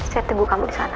saya tunggu kamu di sana